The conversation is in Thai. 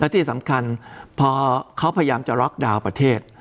ที่สำคัญพอเขาพยายามจะล็อกดาวน์ประเทศ